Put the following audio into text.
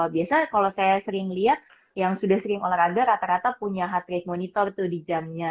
biasa kalau saya sering lihat yang sudah sering olahraga rata rata punya heart rate monitor tuh di jamnya